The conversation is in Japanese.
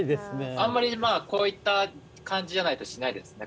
あんまりこういった感じじゃないとしないですね